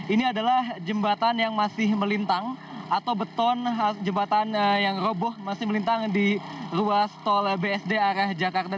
ini adalah jembatan yang masih melintang atau beton jembatan yang roboh masih melintang di ruas tol bsd arah jakarta